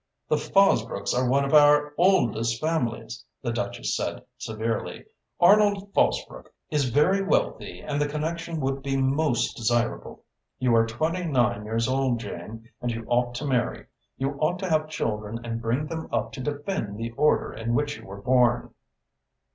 "The Fosbrooks are one of our oldest families," the Duchess said severely. "Arnold Fosbrook is very wealthy and the connection would be most desirable. You are twenty nine years old, Jane, and you ought to marry. You ought to have children and bring them up to defend the order in which you were born."